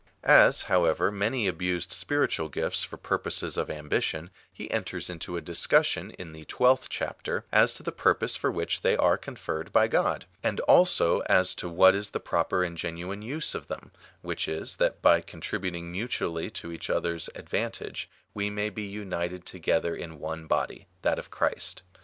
45 As, however, many abused spiritual gifts for purijoses of ambition, he enters into a discussion, in the tiuelfth chapter, as to the purpose for which they are conferred by God, and also as to what is the proper and genuine use of them, which is, that by contributing mutually to each other s ad vantage, we may be united together in one body, that of Christ.